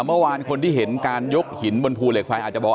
เมื่อวานคนที่เห็นการยกหินบนภูเหล็กไฟอาจจะบอก